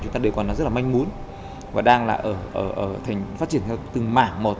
chúng ta đều còn rất là manh mún và đang là ở thành phát triển từng mảng một